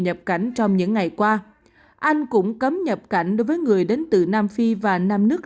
nhập cảnh trong những ngày qua anh cũng cấm nhập cảnh đối với người đến từ nam phi và nam nước